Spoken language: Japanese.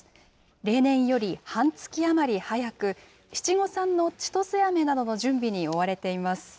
例年より半月余り早く、七五三のちとせあめなどの準備に追われています。